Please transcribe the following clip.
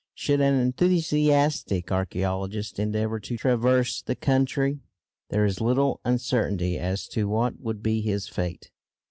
Should an enthusiastic archæologist endeavour to traverse the country, there is little uncertainty as to what would be his fate.